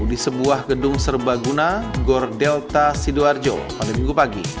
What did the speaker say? di sebuah gedung serbaguna gor delta sidoarjo pada minggu pagi